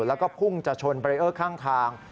แล้วก็พุ่งจะชนเบรเออร์ข้างทาง